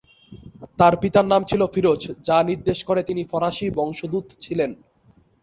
তার পিতার নাম ছিল ফিরোজ, যা নির্দেশ করে তিনি ফরাসি বংশোদ্ভুত ছিলেন।